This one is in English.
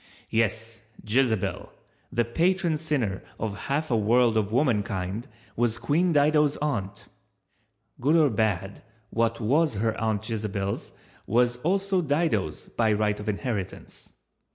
Yes, Jezebel, the patron sinner of half a world of womankind, was Queen Dido's aunt. Good or bad, what was her Aunt Jezebel's was also Dido's by right of inheritance.